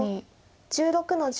白１６の十。